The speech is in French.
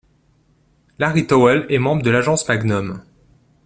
Larry Towell est membre de l'Agence Magnum.